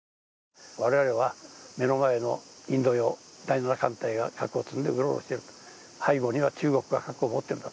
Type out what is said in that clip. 我々は目の前のインド洋第７艦隊が核を積んでうろうろしている、背後には中国が核を持っている。